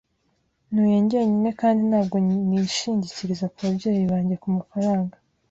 Ntuye njyenyine kandi ntabwo nishingikiriza kubabyeyi banjye kumafaranga.